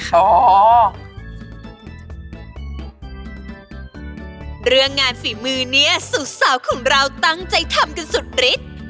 การฝีมือเนี่ยสุสาวของเราตั้งใจทำกันสุดฤทธิ์